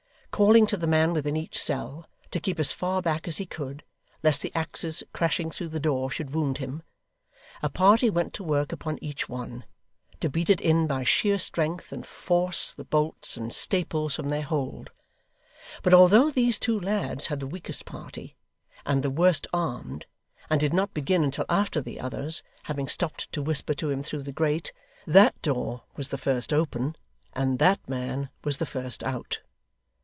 Calling to the man within each cell, to keep as far back as he could, lest the axes crashing through the door should wound him, a party went to work upon each one, to beat it in by sheer strength, and force the bolts and staples from their hold. But although these two lads had the weakest party, and the worst armed, and did not begin until after the others, having stopped to whisper to him through the grate, that door was the first open, and that man was the first out.